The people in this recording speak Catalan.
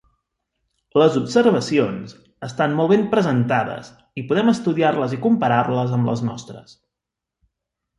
Les observacions estan molt ben presentades i podem estudiar-les i comparar-les amb les nostres.